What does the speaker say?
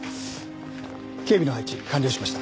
警備の配置完了しました。